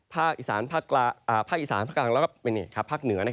ภาคอีสานภาคกลางแล้วก็ภาคเหนือ